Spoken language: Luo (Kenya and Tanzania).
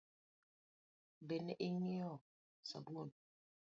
Be ne ing'iewo sabun ?